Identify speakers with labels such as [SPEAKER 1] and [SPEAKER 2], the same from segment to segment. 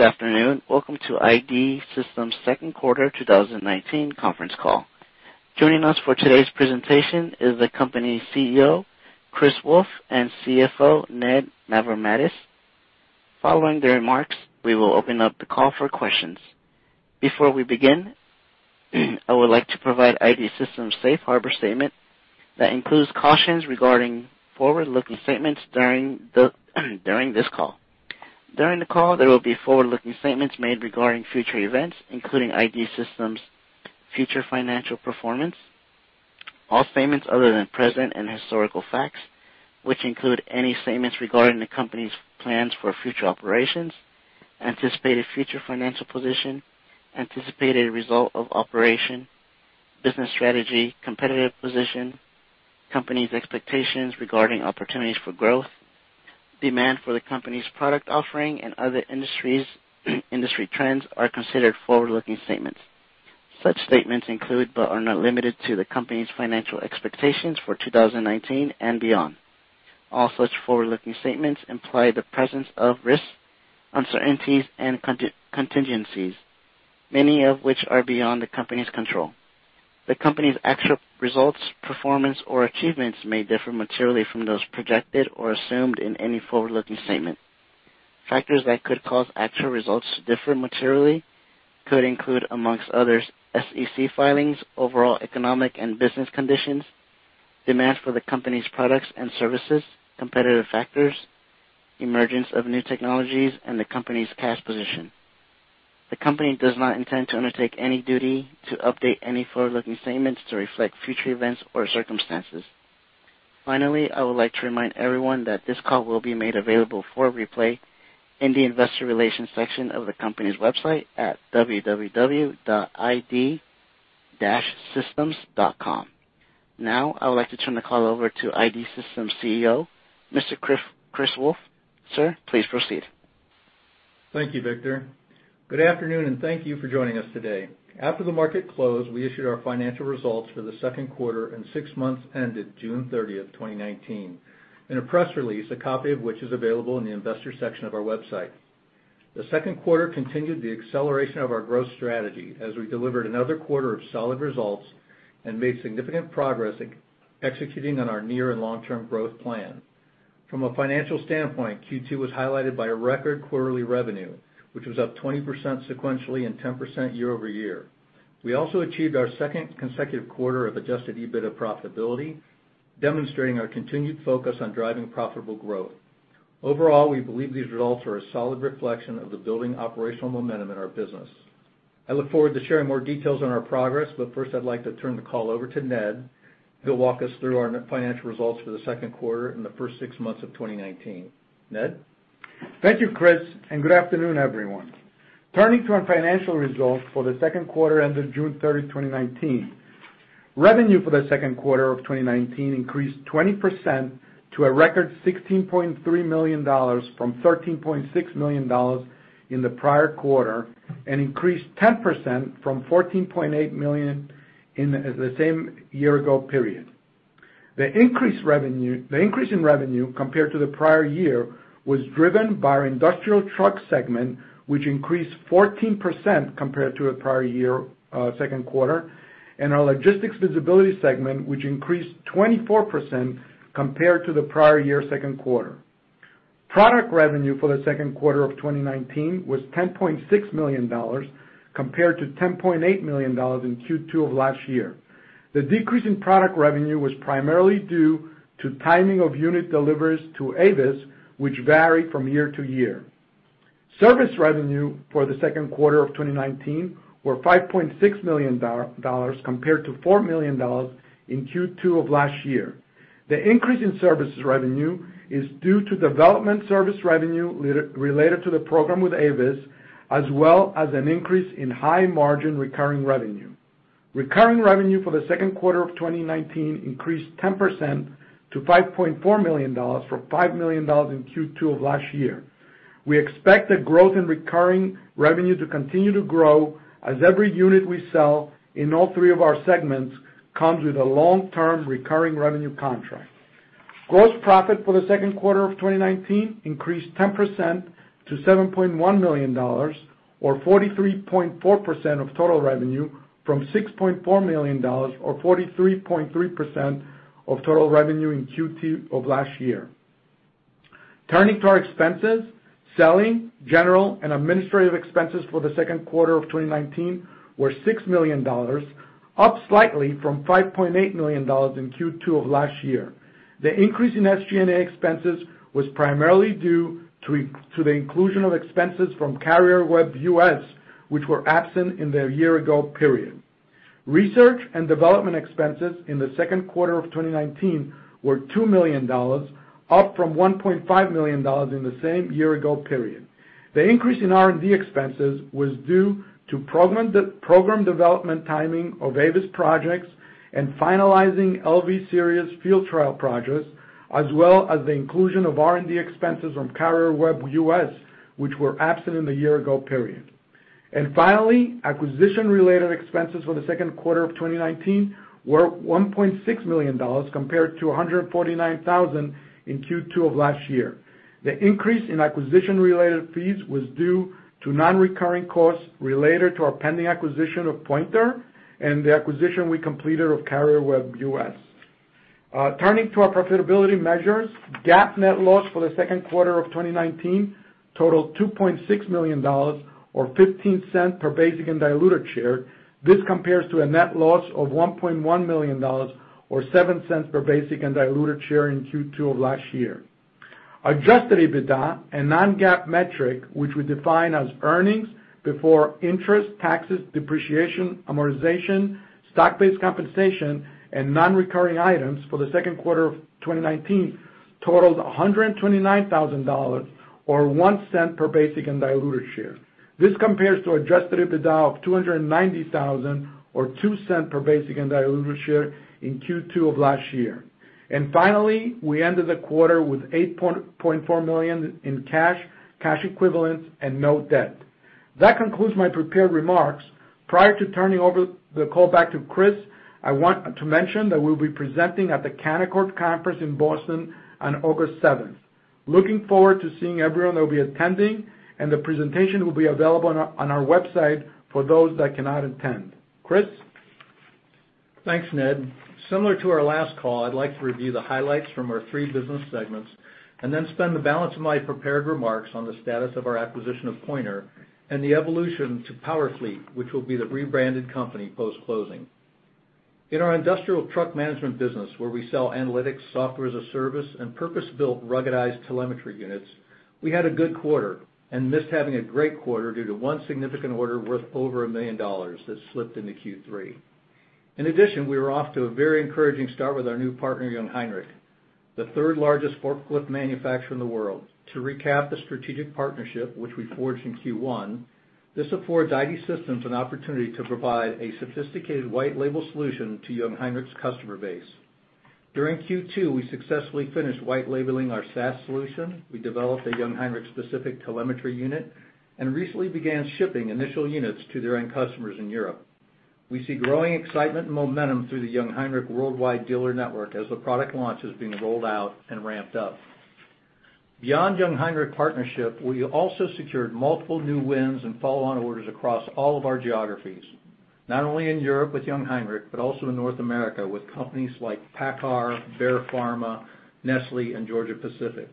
[SPEAKER 1] Good afternoon. Welcome to I.D. Systems second quarter 2019 conference call. Joining us for today's presentation is the company's CEO, Chris Wolfe, and CFO, Ned Mavrommatis. Following their remarks, we will open up the call for questions. Before we begin, I would like to provide I.D. Systems safe harbor statement that includes cautions regarding forward-looking statements during this call. During the call, there will be forward-looking statements made regarding future events, including I.D. Systems future financial performance. All statements other than present and historical facts, which include any statements regarding the company's plans for future operations, anticipated future financial position, anticipated result of operation, business strategy, competitive position, company's expectations regarding opportunities for growth, demand for the company's product offering in other industry trends are considered forward-looking statements. Such statements include, but are not limited to, the company's financial expectations for 2019 and beyond. All such forward-looking statements imply the presence of risks, uncertainties, and contingencies, many of which are beyond the company's control. The company's actual results, performance, or achievements may differ materially from those projected or assumed in any forward-looking statement. Factors that could cause actual results to differ materially could include, among others, SEC filings, overall economic and business conditions, demand for the company's products and services, competitive factors, emergence of new technologies, and the company's cash position. The company does not intend to undertake any duty to update any forward-looking statements to reflect future events or circumstances. Finally, I would like to remind everyone that this call will be made available for replay in the investor relations section of the company's website at www.id-systems.com. Now, I would like to turn the call over to I.D. Systems CEO, Mr. Chris Wolfe. Sir, please proceed.
[SPEAKER 2] Thank you, Victor. Good afternoon, thank you for joining us today. After the market closed, we issued our financial results for the second quarter and six months ended June 30th, 2019 in a press release, a copy of which is available in the investor section of our website. The second quarter continued the acceleration of our growth strategy as we delivered another quarter of solid results and made significant progress executing on our near and long-term growth plan. From a financial standpoint, Q2 was highlighted by a record quarterly revenue, which was up 20% sequentially and 10% year-over-year. We also achieved our second consecutive quarter of adjusted EBITDA profitability, demonstrating our continued focus on driving profitable growth. We believe these results are a solid reflection of the building operational momentum in our business. I look forward to sharing more details on our progress, but first, I'd like to turn the call over to Ned, who'll walk us through our financial results for the second quarter and the first six months of 2019. Ned?
[SPEAKER 3] Thank you, Chris, and good afternoon, everyone. Turning to our financial results for the second quarter ended June 30th, 2019. Revenue for the second quarter of 2019 increased 20% to a record $16.3 million from $13.6 million in the prior quarter, and increased 10% from $14.8 million in the same year-ago period. The increase in revenue compared to the prior year was driven by our industrial truck segment, which increased 14% compared to the prior year second quarter, and our logistics visibility segment, which increased 24% compared to the prior year second quarter. Product revenue for the second quarter of 2019 was $10.6 million compared to $10.8 million in Q2 of last year. The decrease in product revenue was primarily due to timing of unit deliveries to Avis, which vary from year-to-year. Service revenue for the second quarter of 2019 were $5.6 million compared to $4 million in Q2 of last year. The increase in services revenue is due to development service revenue related to the program with Avis, as well as an increase in high margin recurring revenue. Recurring revenue for the second quarter of 2019 increased 10% to $5.4 million from $5 million in Q2 of last year. We expect the growth in recurring revenue to continue to grow as every unit we sell in all three of our segments comes with a long-term recurring revenue contract. Gross profit for the second quarter of 2019 increased 10% to $7.1 million, or 43.4% of total revenue from $6.4 million, or 43.3% of total revenue in Q2 of last year. Turning to our expenses. Selling, general, and administrative expenses for the second quarter of 2019 were $6 million, up slightly from $5.8 million in Q2 of last year. The increase in SG&A expenses was primarily due to the inclusion of expenses from CarrierWeb US, which were absent in the year ago period. Research and development expenses in the second quarter of 2019 were $2 million, up from $1.5 million in the same year ago period. The increase in R&D expenses was due to program development timing of Avis projects and finalizing LV series field trial projects, as well as the inclusion of R&D expenses from CarrierWeb US, which were absent in the year ago period. Finally, acquisition-related expenses for the second quarter of 2019 were $1.6 million, compared to $149,000 in Q2 of last year. The increase in acquisition-related fees was due to non-recurring costs related to our pending acquisition of Pointer and the acquisition we completed of CarrierWeb US. Turning to our profitability measures, GAAP net loss for the second quarter of 2019 totaled $2.6 million or $0.15 per basic and diluted share. This compares to a net loss of $1.1 million or $0.07 per basic and diluted share in Q2 of last year. Adjusted EBITDA, a non-GAAP metric, which we define as earnings before interest, taxes, depreciation, amortization, stock-based compensation, and non-recurring items for the second quarter of 2019 totaled $129,000 or $0.01 per basic and diluted share. This compares to Adjusted EBITDA of $290,000 or $0.02 per basic and diluted share in Q2 of last year. Finally, we ended the quarter with $8.4 million in cash equivalents, and no debt. That concludes my prepared remarks. Prior to turning over the call back to Chris, I want to mention that we'll be presenting at the Canaccord Conference in Boston on August 7th. Looking forward to seeing everyone that will be attending. The presentation will be available on our website for those that cannot attend. Chris?
[SPEAKER 2] Thanks, Ned. Similar to our last call, I'd like to review the highlights from our three business segments, and then spend the balance of my prepared remarks on the status of our acquisition of Pointer and the evolution to PowerFleet, which will be the rebranded company post-closing. In our industrial truck management business, where we sell analytics, SaaS, and purpose-built ruggedized telemetry units, we had a good quarter and missed having a great quarter due to one significant order worth over $1 million that slipped into Q3. In addition, we were off to a very encouraging start with our new partner, Jungheinrich, the third largest forklift manufacturer in the world. To recap the strategic partnership, which we forged in Q1, this affords I.D. Systems an opportunity to provide a sophisticated white label solution to Jungheinrich's customer base. During Q2, we successfully finished white labeling our SaaS solution. We developed a Jungheinrich-specific telemetry unit and recently began shipping initial units to their end customers in Europe. We see growing excitement and momentum through the Jungheinrich worldwide dealer network as the product launch is being rolled out and ramped up. Beyond Jungheinrich partnership, we also secured multiple new wins and follow-on orders across all of our geographies, not only in Europe with Jungheinrich, but also in North America with companies like PACCAR, Bayer, Nestlé, and Georgia-Pacific.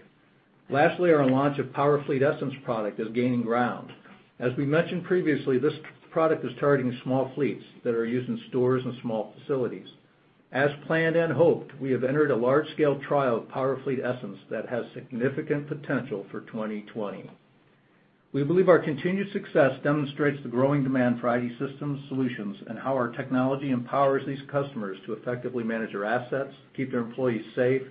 [SPEAKER 2] Lastly, our launch of PowerFleet Essence product is gaining ground. As we mentioned previously, this product is targeting small fleets that are used in stores and small facilities. As planned and hoped, we have entered a large-scale trial of PowerFleet Essence that has significant potential for 2020. We believe our continued success demonstrates the growing demand for I.D. Systems solutions and how our technology empowers these customers to effectively manage their assets, keep their employees safe,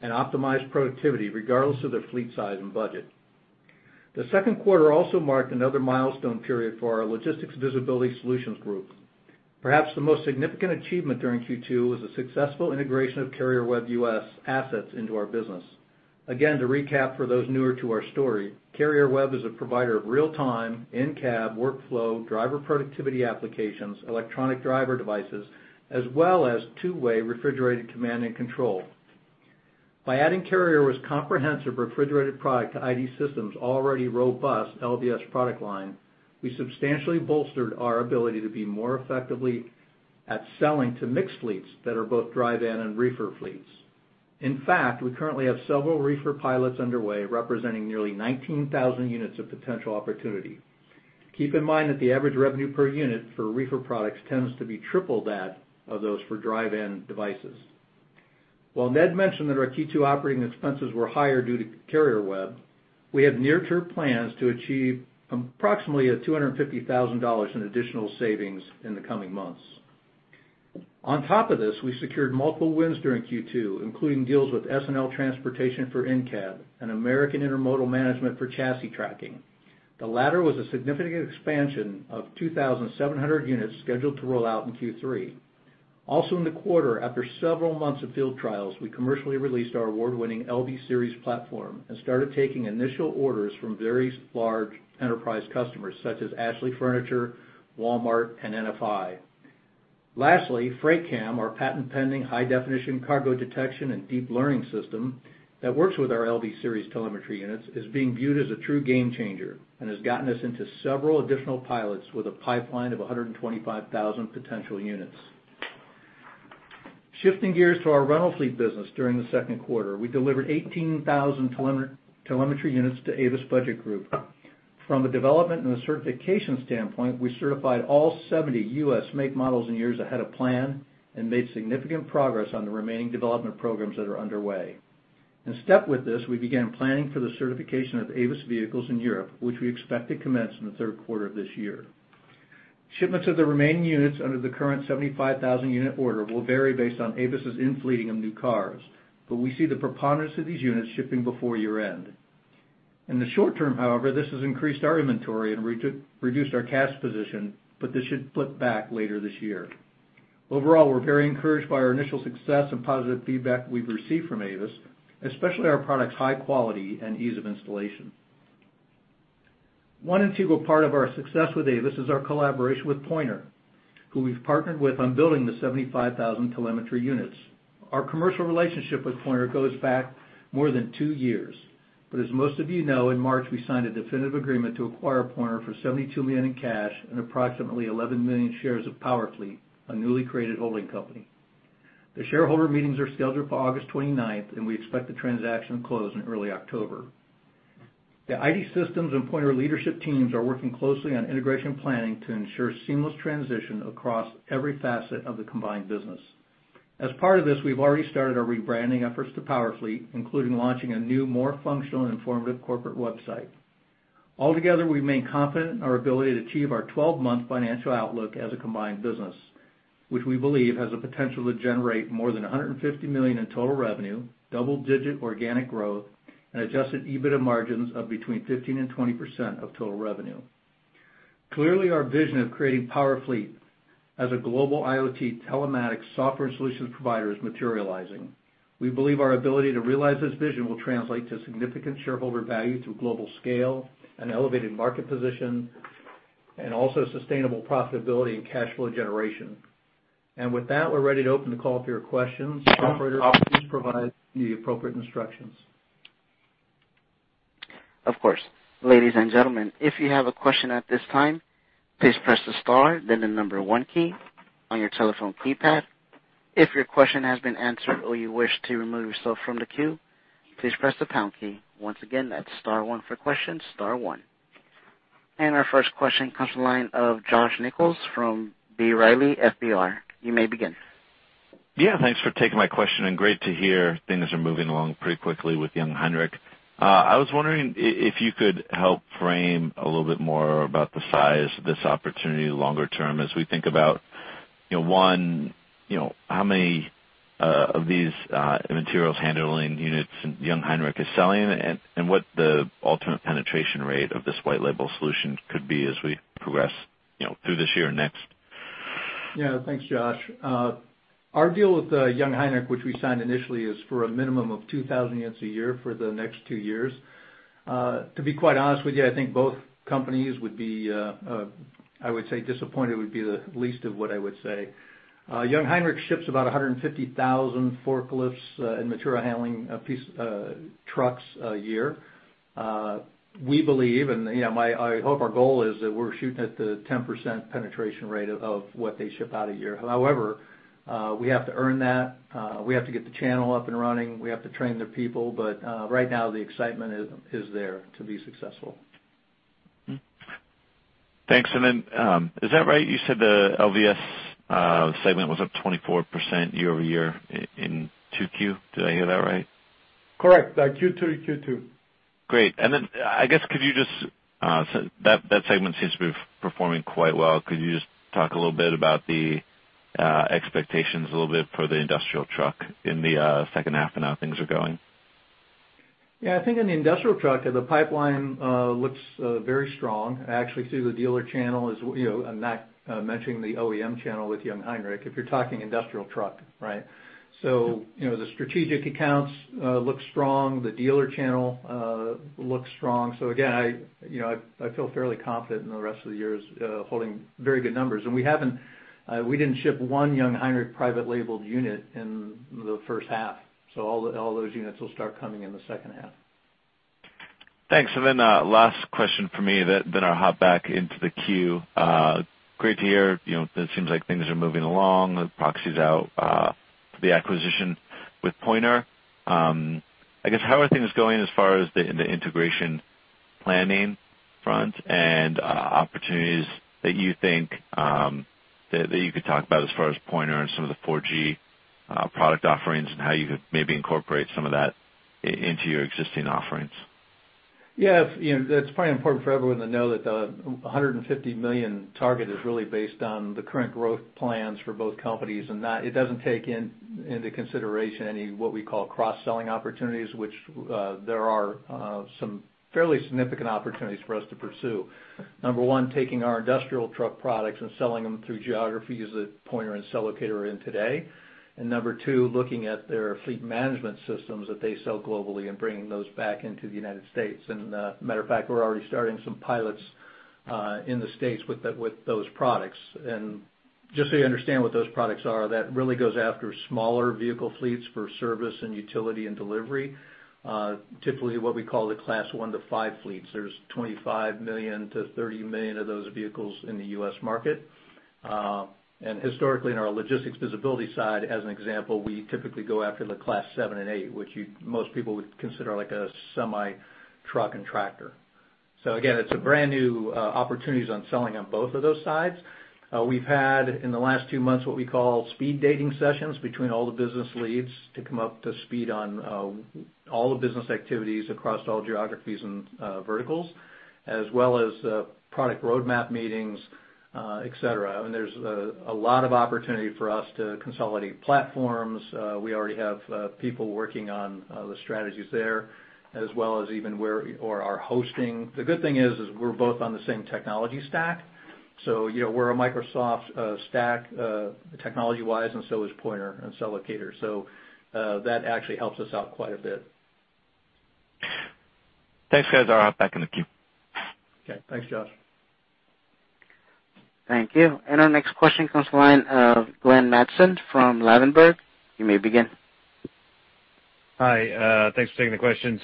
[SPEAKER 2] and optimize productivity regardless of their fleet size and budget. The second quarter also marked another milestone period for our logistics visibility solutions group. Perhaps the most significant achievement during Q2 was the successful integration of CarrierWeb US assets into our business. Again, to recap for those newer to our story, CarrierWeb is a provider of real-time, in-cab, workflow, driver productivity applications, electronic logging devices, as well as two-way refrigerated command and control. By adding CarrierWeb's comprehensive refrigerated product to I.D. Systems' already robust LVS product line, we substantially bolstered our ability to be more effective at selling to mixed fleets that are both dry van and reefer fleets. In fact, we currently have several reefer pilots underway, representing nearly 19,000 units of potential opportunity. Keep in mind that the average revenue per unit for reefer products tends to be triple that of those for dry van devices. While Ned mentioned that our Q2 operating expenses were higher due to CarrierWeb, we have near-term plans to achieve approximately $250,000 in additional savings in the coming months. On top of this, we secured multiple wins during Q2, including deals with S&L Transportation for in-cab and American Intermodal Management for chassis tracking. The latter was a significant expansion of 2,700 units scheduled to roll out in Q3. Also in the quarter, after several months of field trials, we commercially released our award-winning LV series platform and started taking initial orders from various large enterprise customers such as Ashley Furniture, Walmart, and NFI. Lastly, FreightCam, our patent-pending high-definition cargo detection and deep learning system that works with our LV series telemetry units, is being viewed as a true game changer and has gotten us into several additional pilots with a pipeline of 125,000 potential units. Shifting gears to our rental fleet business during the second quarter. We delivered 18,000 telemetry units to Avis Budget Group. From a development and a certification standpoint, we certified all 70 U.S. make, models, and years ahead of plan and made significant progress on the remaining development programs that are underway. In step with this, we began planning for the certification of Avis vehicles in Europe, which we expect to commence in the third quarter of this year. Shipments of the remaining units under the current 75,000 unit order will vary based on Avis' in-fleeting of new cars, but we see the preponderance of these units shipping before year-end. In the short term, however, this has increased our inventory and reduced our cash position, but this should flip back later this year. Overall, we're very encouraged by our initial success and positive feedback we've received from Avis, especially our product's high quality and ease of installation. One integral part of our success with Avis is our collaboration with Pointer, who we've partnered with on building the 75,000 telemetry units. Our commercial relationship with Pointer goes back more than 2 years. As most of you know, in March, we signed a definitive agreement to acquire Pointer for $72 million in cash and approximately 11 million shares of PowerFleet, a newly created holding company. The shareholder meetings are scheduled for August 29th, and we expect the transaction to close in early October. The I.D. Systems and Pointer Telocation leadership teams are working closely on integration planning to ensure seamless transition across every facet of the combined business. As part of this, we've already started our rebranding efforts to PowerFleet, including launching a new, more functional and informative corporate website. Altogether, we remain confident in our ability to achieve our 12-month financial outlook as a combined business, which we believe has the potential to generate more than $150 million in total revenue, double-digit organic growth, and adjusted EBITDA margins of between 15% and 20% of total revenue. Clearly, our vision of creating PowerFleet as a global IoT telematics software and solutions provider is materializing. We believe our ability to realize this vision will translate to significant shareholder value through global scale and elevated market position, and also sustainable profitability and cash flow generation. With that, we're ready to open the call up to your questions. Operator, please provide the appropriate instructions.
[SPEAKER 1] Of course. Ladies and gentlemen, if you have a question at this time, please press the star, then the number one key on your telephone keypad. If your question has been answered or you wish to remove yourself from the queue, please press the pound key. Once again, that's star one for questions, star one. Our first question comes from the line of Josh Nichols from B. Riley FBR. You may begin.
[SPEAKER 4] Yeah, thanks for taking my question and great to hear things are moving along pretty quickly with Jungheinrich. I was wondering if you could help frame a little bit more about the size of this opportunity longer term as we think about, one, how many of these materials handling units Jungheinrich is selling, and what the ultimate penetration rate of this white label solution could be as we progress through this year and next?
[SPEAKER 2] Yeah. Thanks, Josh. Our deal with Jungheinrich, which we signed initially, is for a minimum of 2,000 units a year for the next two years. To be quite honest with you, I think both companies would be, I would say disappointed would be the least of what I would say. Jungheinrich ships about 150,000 forklifts and material handling trucks a year. I hope our goal is that we're shooting at the 10% penetration rate of what they ship out a year. However, we have to earn that. We have to get the channel up and running. We have to train their people. Right now, the excitement is there to be successful.
[SPEAKER 4] Thanks. Then, is that right? You said the LVS segment was up 24% year-over-year in 2Q. Did I hear that right?
[SPEAKER 2] Correct. Q2 to Q2.
[SPEAKER 4] Great. I guess that segment seems to be performing quite well. Could you just talk a little bit about the expectations for the industrial truck in the second half and how things are going?
[SPEAKER 2] Yeah, I think in the industrial truck, the pipeline looks very strong. I actually see the dealer channel. I'm not mentioning the OEM channel with Jungheinrich, if you're talking industrial truck, right? The strategic accounts look strong. The dealer channel looks strong. Again, I feel fairly confident in the rest of the year holding very good numbers. We didn't ship one Jungheinrich private labeled unit in the first half. All those units will start coming in the second half.
[SPEAKER 4] Thanks. Last question from me, then I'll hop back into the queue. Great to hear that seems like things are moving along. The proxy's out, the acquisition with Pointer. I guess, how are things going as far as the integration planning front and opportunities that you think that you could talk about as far as Pointer and some of the 4G product offerings, and how you could maybe incorporate some of that into your existing offerings?
[SPEAKER 2] It's probably important for everyone to know that the $150 million target is really based on the current growth plans for both companies, and that it doesn't take into consideration any of what we call cross-selling opportunities, which there are some fairly significant opportunities for us to pursue. Number one, taking our industrial truck products and selling them through geographies that Pointer and Cellocator are in today. Number two, looking at their fleet management systems that they sell globally and bringing those back into the United States. Matter of fact, we're already starting some pilots in the U.S. with those products. Just so you understand what those products are, that really goes after smaller vehicle fleets for service and utility and delivery. Typically, what we call the class one to five fleets. There's 25 million to 30 million of those vehicles in the U.S. market. Historically, in our logistics visibility side, as an example, we typically go after the class seven and eight, which most people would consider like a semi-truck and tractor. Again, it's brand new opportunities on selling on both of those sides. We've had, in the last two months, what we call speed dating sessions between all the business leads to come up to speed on all the business activities across all geographies and verticals, as well as product roadmap meetings, et cetera. There's a lot of opportunity for us to consolidate platforms. We already have people working on the strategies there, as well as even where we are hosting. The good thing is we're both on the same technology stack. We're a Microsoft stack, technology-wise, and so is Pointer and Cellocator. That actually helps us out quite a bit.
[SPEAKER 4] Thanks, guys. I'll hop back in the queue.
[SPEAKER 2] Okay. Thanks, Josh.
[SPEAKER 1] Thank you. Our next question comes from the line of Glenn Mattson from Ladenburg. You may begin.
[SPEAKER 5] Hi. Thanks for taking the question.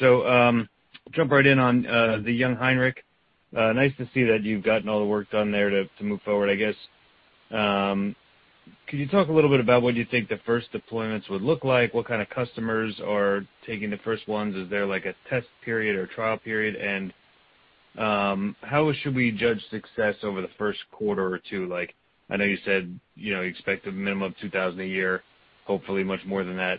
[SPEAKER 5] Jump right in on the Jungheinrich. Nice to see that you've gotten all the work done there to move forward, I guess. Can you talk a little bit about what you think the first deployments would look like? What kind of customers are taking the first ones? Is there a test period or trial period? How should we judge success over the first quarter or two? I know you said you expect a minimum of 2,000 a year, hopefully much more than that.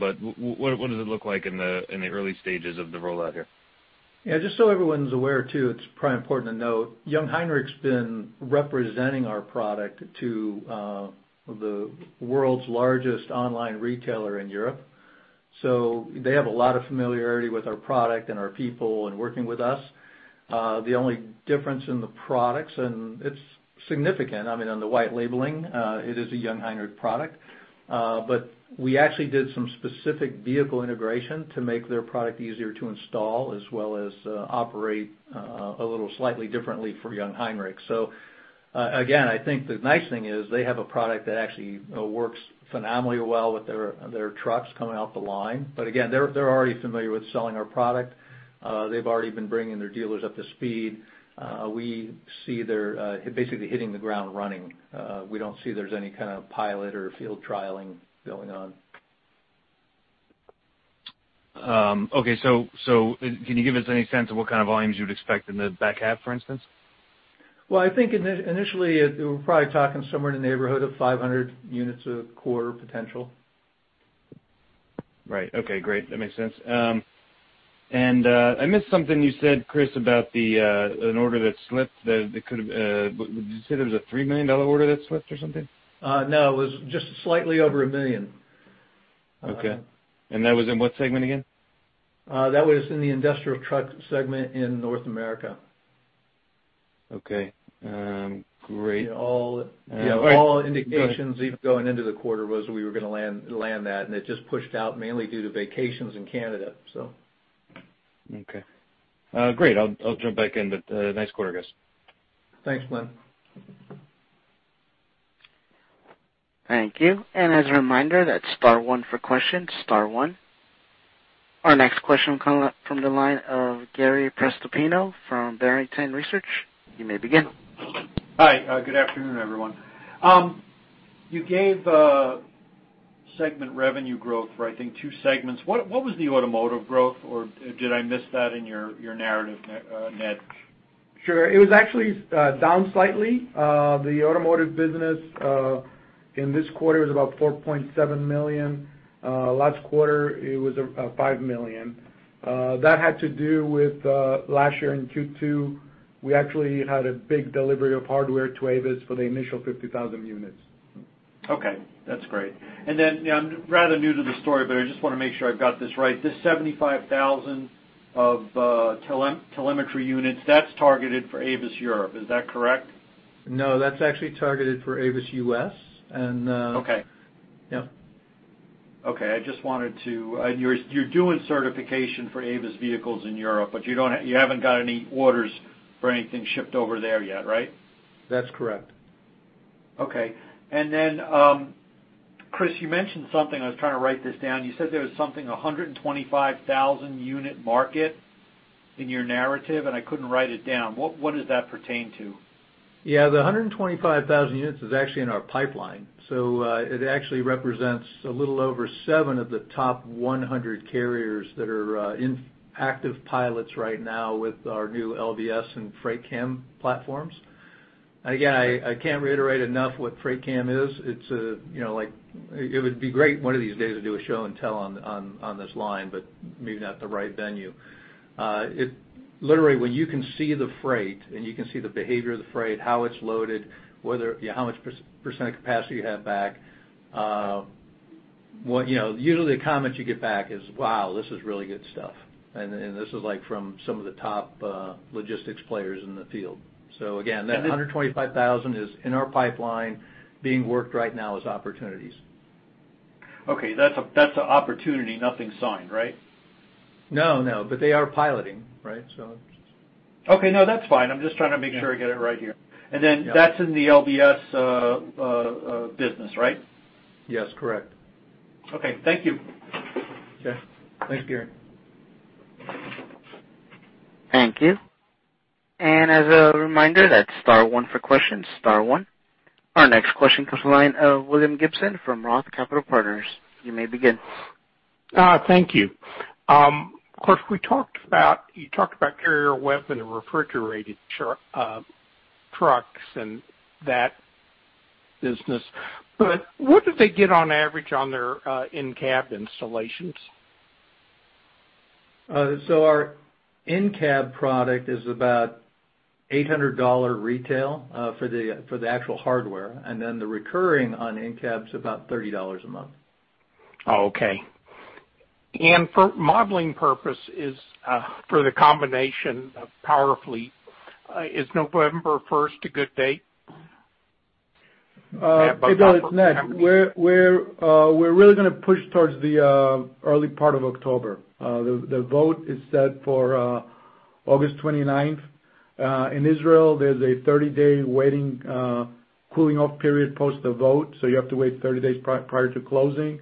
[SPEAKER 5] What does it look like in the early stages of the rollout here?
[SPEAKER 2] Just so everyone's aware, too, it's probably important to note, Jungheinrich's been representing our product to the world's largest online retailer in Europe. They have a lot of familiarity with our product and our people and working with us. The only difference in the products, and it's significant, on the white labeling, it is a Jungheinrich product. We actually did some specific vehicle integration to make their product easier to install, as well as operate a little slightly differently for Jungheinrich. Again, I think the nice thing is they have a product that actually works phenomenally well with their trucks coming out the line. Again, they're already familiar with selling our product. They've already been bringing their dealers up to speed. We see they're basically hitting the ground running. We don't see there's any kind of pilot or field trialing going on.
[SPEAKER 5] Okay. Can you give us any sense of what kind of volumes you would expect in the back half, for instance?
[SPEAKER 2] Well, I think initially, we're probably talking somewhere in the neighborhood of 500 units a quarter potential.
[SPEAKER 5] Right. Okay, great. That makes sense. I missed something you said, Chris, about an order that slipped. Did you say there was a $3 million order that slipped or something?
[SPEAKER 2] No, it was just slightly over $1 million.
[SPEAKER 5] Okay. That was in what segment again?
[SPEAKER 2] That was in the industrial truck segment in North America.
[SPEAKER 5] Okay. Great.
[SPEAKER 2] All indications even going into the quarter was we were going to land that, and it just pushed out mainly due to vacations in Canada.
[SPEAKER 5] Okay. Great. I'll jump back in. Nice quarter, guys.
[SPEAKER 2] Thanks, Glenn.
[SPEAKER 1] Thank you. As a reminder, that's star one for questions, star one. Our next question coming up from the line of Gary Prestopino from Barrington Research. You may begin.
[SPEAKER 6] Hi. Good afternoon, everyone. You gave segment revenue growth for, I think, two segments. What was the automotive growth? Or did I miss that in your narrative, Ned?
[SPEAKER 3] Sure. It was actually down slightly. The automotive business in this quarter was about $4.7 million. Last quarter it was $5 million. That had to do with last year in Q2, we actually had a big delivery of hardware to Avis for the initial 50,000 units.
[SPEAKER 6] Okay. That's great. I'm rather new to the story, but I just want to make sure I've got this right. This 75,000 of telemetry units, that's targeted for Avis Europe. Is that correct?
[SPEAKER 2] No, that's actually targeted for Avis U.S.
[SPEAKER 6] Okay
[SPEAKER 2] Yeah.
[SPEAKER 6] Okay. You're doing certification for Avis vehicles in Europe, but you haven't got any orders for anything shipped over there yet, right?
[SPEAKER 2] That's correct.
[SPEAKER 6] Okay. Chris, you mentioned something, I was trying to write this down. You said there was something, 125,000 unit market in your narrative, and I couldn't write it down. What does that pertain to?
[SPEAKER 2] Yeah. The 125,000 units is actually in our pipeline. It actually represents a little over seven of the top 100 carriers that are in active pilots right now with our new LVS and FreightCam platforms. Again, I can't reiterate enough what FreightCam is. It would be great one of these days to do a show and tell on this line, but maybe not the right venue. Literally, when you can see the freight and you can see the behavior of the freight, how it's loaded, how much % of capacity you have back. Usually, the comment you get back is, "Wow, this is really good stuff." This is from some of the top logistics players in the field. Again, that 125,000 is in our pipeline being worked right now as opportunities.
[SPEAKER 6] Okay. That's an opportunity, nothing signed, right?
[SPEAKER 2] No, but they are piloting, right?
[SPEAKER 6] Okay, no, that's fine. I'm just trying to make sure I get it right here. That's in the LVS business, right?
[SPEAKER 2] Yes, correct.
[SPEAKER 6] Okay. Thank you.
[SPEAKER 2] Okay. Thanks, Gary.
[SPEAKER 1] Thank you. As a reminder, that's star one for questions, star 1. Our next question comes the line of William Gibson from ROTH Capital Partners. You may begin.
[SPEAKER 7] Thank you. Of course, you talked about CarrierWeb and the refrigerated trucks and that business, what did they get on average on their in-cab installations?
[SPEAKER 2] Our in-cab product is about $800 retail for the actual hardware, and then the recurring on in-cab's about $30 a month.
[SPEAKER 7] Oh, okay. For modeling purpose, for the combination of PowerFleet, is November 1st a good date?
[SPEAKER 3] Hey, Bill, it's Ned. We're really going to push towards the early part of October. The vote is set for August 29th. In Israel, there's a 30-day waiting cooling off period post the vote, so you have to wait 30 days prior to closing.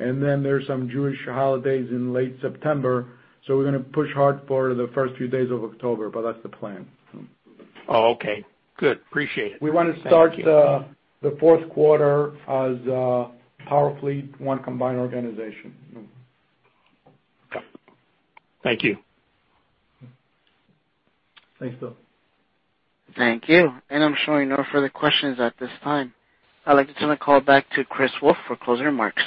[SPEAKER 3] Then there's some Jewish holidays in late September. We're going to push hard for the first few days of October. That's the plan.
[SPEAKER 7] Oh, okay. Good. Appreciate it.
[SPEAKER 3] We want to start the fourth quarter as PowerFleet, one combined organization.
[SPEAKER 7] Thank you.
[SPEAKER 2] Thanks, Bill.
[SPEAKER 1] Thank you. I'm showing no further questions at this time. I'd like to turn the call back to Chris Wolfe for closing remarks.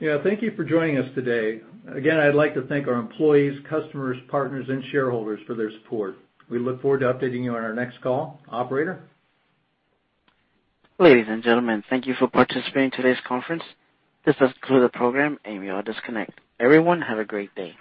[SPEAKER 2] Thank you for joining us today. Again, I'd like to thank our employees, customers, partners, and shareholders for their support. We look forward to updating you on our next call. Operator?
[SPEAKER 1] Ladies and gentlemen, thank you for participating in today's conference. This does conclude the program, and you're all disconnected. Everyone, have a great day.